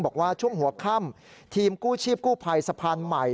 บอกว่าช่วงหัวค่ำทีมกู้ชีพกู้ภัยสะพานใหม่